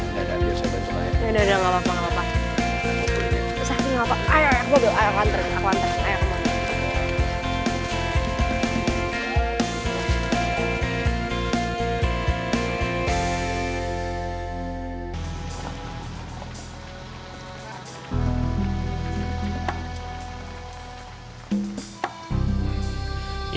ya sudah sudah